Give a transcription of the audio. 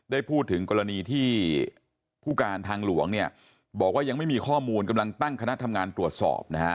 ได้พูดถึงกรณีที่ผู้การทางหลวงเนี่ยบอกว่ายังไม่มีข้อมูลกำลังตั้งคณะทำงานตรวจสอบนะฮะ